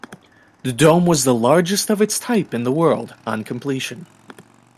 The dome was the largest of its type in the world on completion.